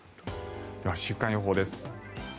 では週間予報です。